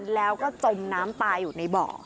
แล้วก็จมน้ำตายอยู่ในบ่อ